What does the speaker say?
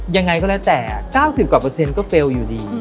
ยังไงก็แล้วแต่๙๐กว่าเปอร์เซ็นต์ก็เฟลล์อยู่ดี